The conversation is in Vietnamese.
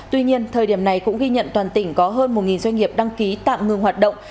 tuy nhiên thời điểm này cũng ghi nhận toàn tỉnh có hơn một doanh nghiệp đăng ký tạm ngừng hoạt động